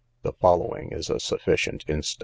The following is a sufficient instance.